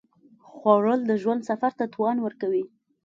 خوړل د ژوند سفر ته توان ورکوي